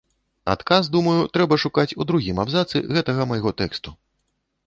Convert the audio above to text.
Адказ, думаю, трэба шукаць у другім абзацы гэтага майго тэксту.